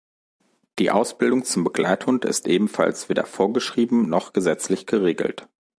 Die Ausbildung zum Begleithund ist ebenfalls weder vorgeschrieben, noch gesetzlich geregelt.